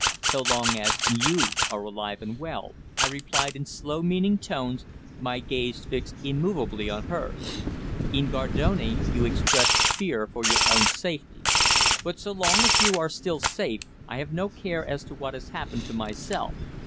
"So long as you are alive and well," I replied in slow, meaning tones, my gaze fixed immovably on hers. "In Gardone you expressed fear for your own safety, but so long as you are still safe I have no care as to what has happened to myself."